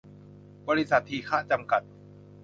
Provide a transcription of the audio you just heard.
บริษัท ทีฆะ จำกัด